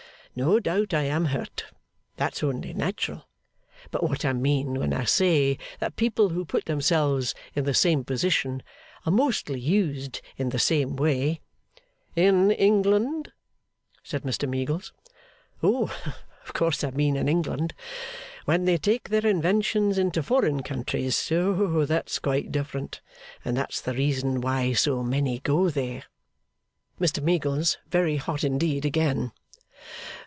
No doubt I am hurt. That's only natural. But what I mean when I say that people who put themselves in the same position are mostly used in the same way ' 'In England,' said Mr Meagles. 'Oh! of course I mean in England. When they take their inventions into foreign countries, that's quite different. And that's the reason why so many go there.' Mr Meagles very hot indeed again.